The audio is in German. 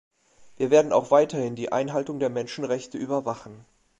Wir werden auch weiterhin die Einhaltung der Menschenrechte überwachen.